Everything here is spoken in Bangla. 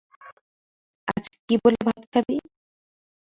আজ কি বলে ভাত খাবি?